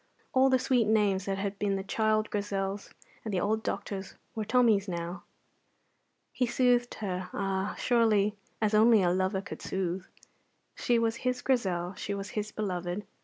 All the sweet names that had been the child Grizel's and the old doctor's were Tommy's now. He soothed her, ah, surely as only a lover could soothe. She was his Grizel, she was his beloved.